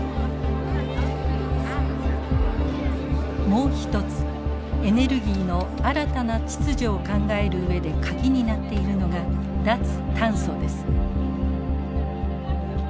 もう一つエネルギーの新たな秩序を考える上で鍵になっているのが脱炭素です。